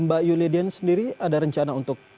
mbak yulian sendiri ada rencana untuk